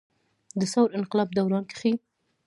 د ثور انقلاب دوران کښې